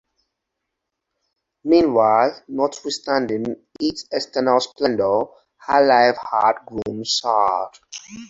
Meanwhile, notwithstanding its external splendor, her life had grown sad.